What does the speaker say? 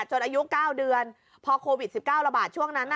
อายุ๙เดือนพอโควิด๑๙ระบาดช่วงนั้น